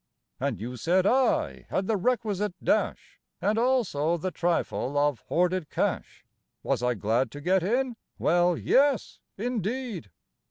And you said I had the requisite dash And also the trifle of hoarded cash. Was I glad to get in? Well, yes, indeed!